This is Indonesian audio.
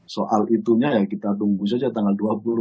soal itunya ya kita tunggu saja tanggal dua puluh